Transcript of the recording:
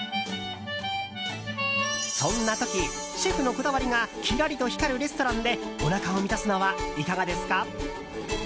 そんな時、シェフのこだわりがキラリと光るレストランでおなかを満たすのはいかがですか？